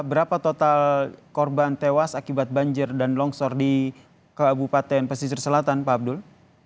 berapa total korban tewas akibat banjir dan longsor di kabupaten pesisir selatan pak abdul